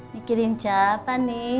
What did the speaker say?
mikirin siapa nih